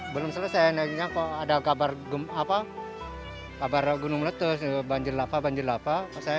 belum selesai nanya kok ada kabar gunung letus banjir lava banjir lava